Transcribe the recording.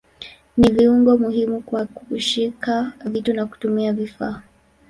Ni viungo muhimu kwa kushika vitu na kutumia vifaa.